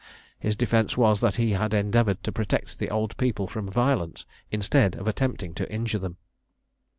His defence was that he had endeavoured to protect the old people from violence, instead of attempting to injure them.